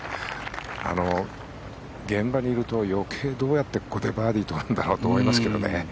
現場にいると余計どうやってここでバーディーとるんだろうと思いますけどね。